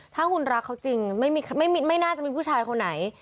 ถ้าคุณรักเขาจริงไม่น่าจะมีผู้ชายคนไหน